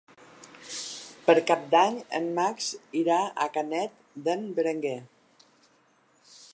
Per Cap d'Any en Max irà a Canet d'en Berenguer.